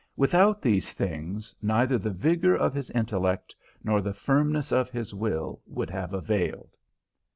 Without these things neither the vigour of his intellect nor the firmness of his will would have availed.